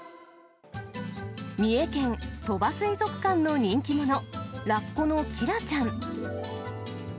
三重県・鳥羽水族館の人気者、ラッコのキラちゃん。